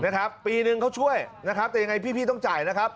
นะครับปีนึงเขาช่วยนะครับแต่ยังไงพี่พี่ต้องจ่ายนะครับ